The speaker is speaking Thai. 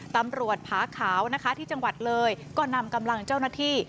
ผาขาวนะคะที่จังหวัดเลยก็นำกำลังเจ้าหน้าที่